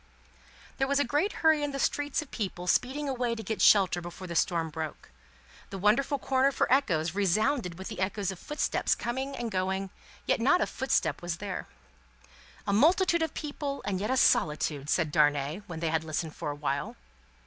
There was a great hurry in the streets of people speeding away to get shelter before the storm broke; the wonderful corner for echoes resounded with the echoes of footsteps coming and going, yet not a footstep was there. "A multitude of people, and yet a solitude!" said Darnay, when they had listened for a while.